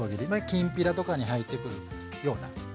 きんぴらとかに入ってくるようなサイズ。